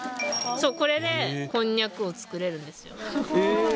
これでこんにゃくを作れるんですよ。